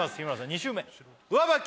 ２周目上履き